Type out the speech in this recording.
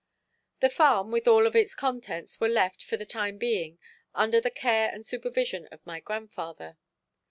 The farm with all of its contents were left, for the time being, under the care and supervision of my grandfather.